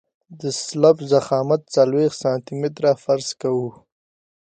د سلب ضخامت څلوېښت سانتي متره فرض کوو